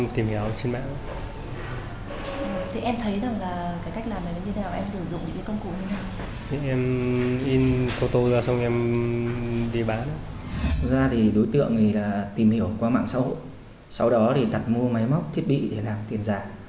thật ra thì đối tượng thì tìm hiểu qua mạng xã hội sau đó thì đặt mua máy móc thiết bị để làm tiền giả